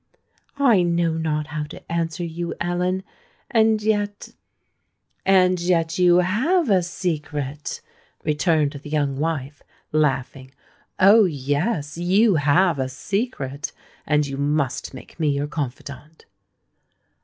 "I know not how to answer you, Ellen;—and yet——" "And yet you have a secret," returned the young wife, laughing; "oh! yes—you have a secret—and you must make me your confidant."